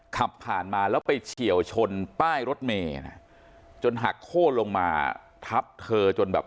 ขับผ่านมาแล้วไปเฉียวชนป้ายรถเมย์นะจนหักโค้นลงมาทับเธอจนแบบ